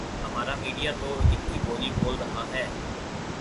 ہمارا میڈیا تو انکی بولی بول رہا ۔